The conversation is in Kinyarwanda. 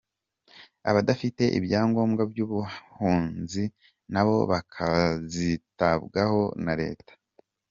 Abadafite ibyangombwa by’ubuhunzi nabo bakazitabwaho na leta.